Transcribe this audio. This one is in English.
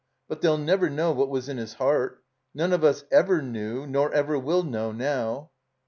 But they'll never know what was in his heart. None of us ever knew nor ever will know, now."